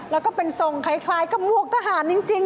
แล้วก็เป็นทรงคล้ายกับมวกทหารจริง